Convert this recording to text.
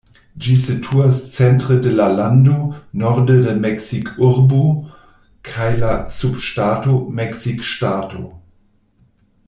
Ĝi situas centre de la lando, norde de Meksikurbo kaj la subŝtato Meksikŝtato.